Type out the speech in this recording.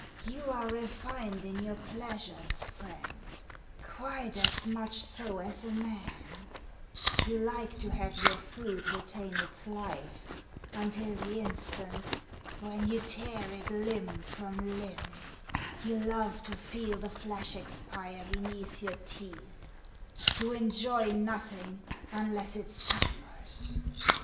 You are refined in your pleasures, Friend, — quite as much so as a man ; you like to have your food retain its life until the instant when you tear it limb from limb ; you love to feel the flesh expire beneath your teeth ; you enjoy nothing unless it suffers.